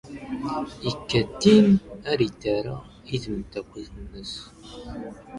ⵉⴽⴽⴰ ⵜⵜ ⵉⵏⵏ ⴰⵔ ⵉⵜⵜⴰⵔⴰ ⵉ ⵜⵎⴷⴷⴰⴽⴽⵯⵍⵜ ⵏⵙ.